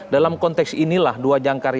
dalam konteks inilah dua jangkar